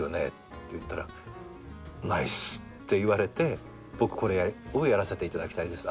って言ったら「ないっす」って言われてこれをやらせていただきたいです。